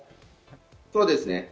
そうですね。